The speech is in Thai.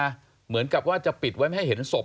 เหมือนกับว่าจะปิดไว้ไม่ให้เห็นศพ